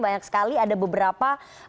banyak sekali ada beberapa